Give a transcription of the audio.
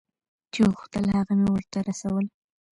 چې غوښتل هغه مې ورته رسول.